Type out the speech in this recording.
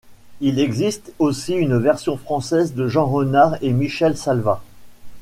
Il existe aussi une version française de Jean Renard et Michel Salva.